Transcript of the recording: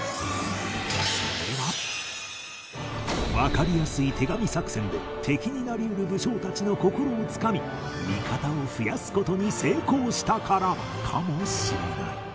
それはわかりやすい手紙作戦で敵になり得る武将たちの心を掴み味方を増やす事に成功したからかもしれない